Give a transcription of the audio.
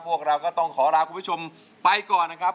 พวกเราก็ต้องขอลาคุณผู้ชมไปก่อนนะครับ